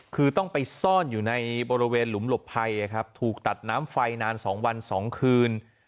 คือต้องไปซ่อนอยู่ในบริเวณหลุมหลบภัยถูกตัดน้ำไฟนาน๒วัน๒คืน